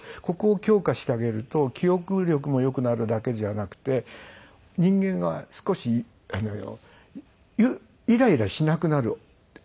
ここを強化してあげると記憶力も良くなるだけじゃなくて人間が少しイライラしなくなる。